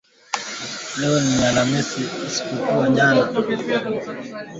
pamoja na uhamasishaji wa nguvu aliandika kwenye Twitter siku ya Alhamis